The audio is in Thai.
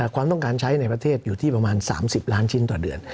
ความต้องการใช้ในประเทศอยู่ที่ประมาณ๓๐ล้านชิ้นต่อเดือน